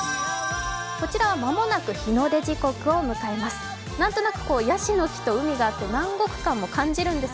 こちらは間もなく日の出時刻を迎えます。